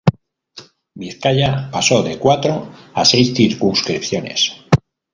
Vizcaya pasó de cuatro a seis circunscripciones.